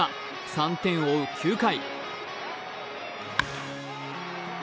３点を追う９回。